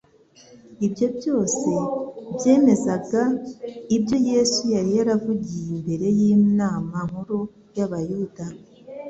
ibyo byose byemezaga ibyo Yesu yari yaravugiye imbere y'inama nkuru y'abayuda